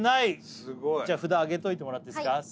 すごいじゃ札あげといてもらっていいですか